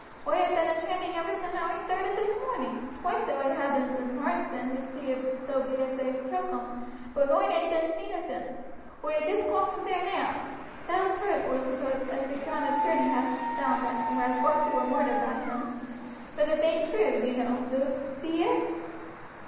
Oi have been a tramping ever sin' oi started this mourning. Twice oi ha' been down Maarsten to see if so be as they've took him, but nowt ain't been seen of him. Oi had just coom from there now. Thou'st heerd, oi suppose, as the crowner's jury ha found as Foxey wer murdered by him; but it bain't true, you know, Luke be it?"